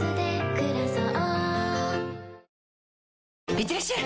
いってらっしゃい！